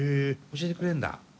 教えてくれるんだ。